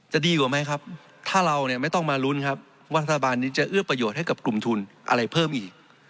จะดีกว่าไหมครับถ้าเราเนี่ยไม่ต้องมาลุ้นครับว่ารัฐบาลนี้จะเอื้อประโยชน์ให้กับกลุ่มทุนอะไรเพิ่มอีก